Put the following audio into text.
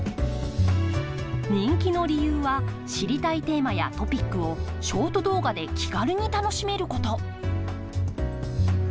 人気の理由は知りたいテーマやトピックをショート動画で気軽に楽しめること。